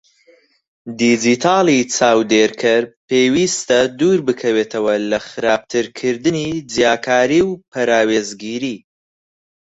دیجیتاڵی چاودێرکەر پێویستە دووربکەوێتەوە لە خراپترکردنی جیاکاری و پەراوێزگیری؛